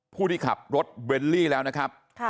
ผู้ที่ขับรถเบลลี่แล้วนะครับ